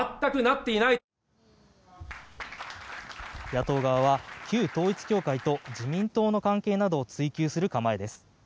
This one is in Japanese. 野党側は旧統一教会と自民党の関係などを追及する構えです。